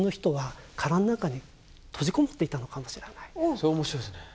それ面白いですね。